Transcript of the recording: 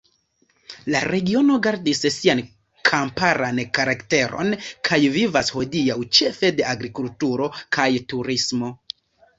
La regiono gardis sian kamparan karakteron kaj vivas hodiaŭ ĉefe de agrikulturo kaj turismo.